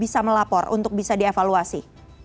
bisa melapor untuk bisa dievaluasi